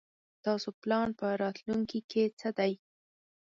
تاسو پلان په راتلوونکي کې څه دی ؟